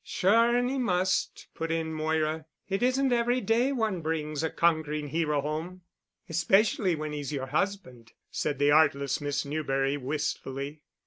"Sure and he must," put in Moira. "It isn't every day one brings a conquering hero home." "Especially when he's your husband," said the artless Miss Newberry wistfully.